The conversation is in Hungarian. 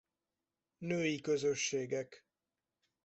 Női közösségek